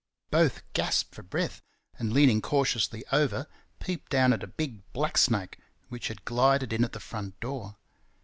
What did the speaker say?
Both gasped for breath, and leaning cautiously over peeped down at a big black snake which had glided in at the front door.